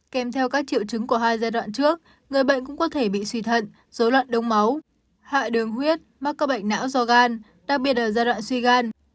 kèm theo các triệu chứng của hai giai đoạn trước người bệnh cũng có thể bị suy thận dối loạn đông máu hại đường huyết mắc các bệnh não do gan đặc biệt ở giai đoạn suy gan